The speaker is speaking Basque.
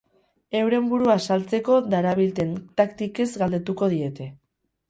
Euren burua saltzeko darabilten taktikez galdetuko diete.